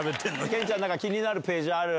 健ちゃん気になるページある？